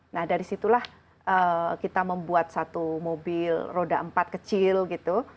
nah dari situlah kita membuat satu mobil roda empat kecil gitu